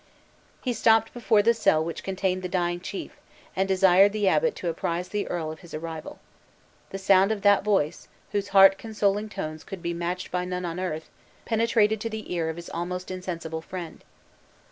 He stopped before the cell which contained the dying chief, and desired the abbot to apprise the earl of his arrival. The sound of that voice, whose heart consoling tones could be matched by none on earth, penetrated to the ear of his almost insensible friend.